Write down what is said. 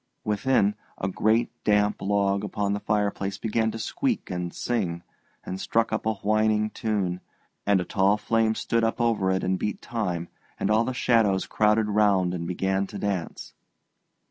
Within, a great damp log upon the fireplace began to squeak and sing, and struck up a whining tune, and a tall flame stood up over it and beat time, and all the shadows crowded round and began to dance.